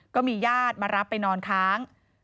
ก็มีญาติมารับไปนอนค้าง